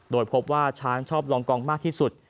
โดยพบว่าช้างชอบลองกองมากที่สุด